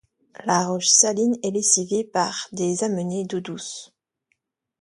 La roche saline est lessivée par des amenées d'eau douce.